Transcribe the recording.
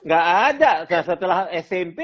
tidak ada setelah smp